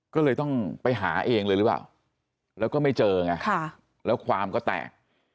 ก็เลยต้องไปหาเองเลยหรือเปล่าแล้วก็ไม่เจอไงแล้วความก็แตก